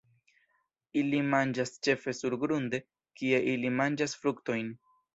Ili manĝas ĉefe surgrunde, kie ili manĝas fruktojn.